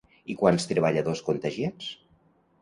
I quants treballadors contagiats?